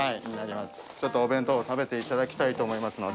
ちょっとお弁当を食べていただきたいと思いますので。